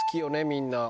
みんな。